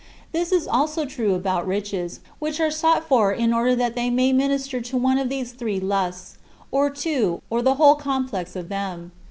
This is also true about riches, which are sought for in order that they may minister to one of these three "lusts," or two, or the whole complex of them.